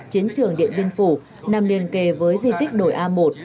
chiến trường điện biên phủ nằm liền kề với di tích đồi a một